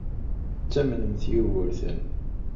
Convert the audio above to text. Ttamnent Yugurten.